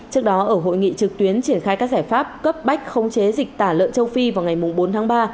trước đó ở hội nghị trực tuyến triển khai các giải pháp cấp bách khống chế dịch tả lợn châu phi vào ngày bốn tháng ba